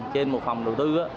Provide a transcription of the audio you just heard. trên một phòng đầu tư